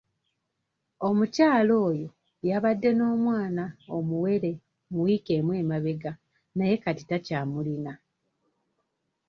Omukyala oyo yabadde n'omwana omuwere mu wiiki emu emabega naye kati takyamulina